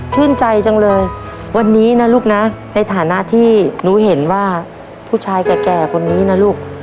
ชื่นใจจังเลยวันนี้นะลูกนะในฐานะที่หนูเห็นว่าผู้ชายแก่คนนี้นะลูก